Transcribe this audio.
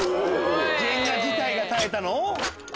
ジェンガ自体が耐えたの？